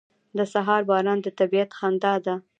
• د سهار باران د طبیعت خندا ده.